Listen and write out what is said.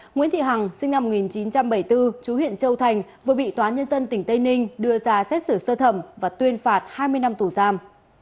nguyễn thị hằng sinh năm một nghìn chín trăm bảy mươi bốn chú huyện châu thành vừa bị tòa nhân dân tỉnh tây ninh đưa ra xét xử sơ thẩm và tuyên phạt hai mươi năm tù giam